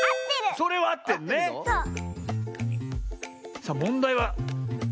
さあもんだいは。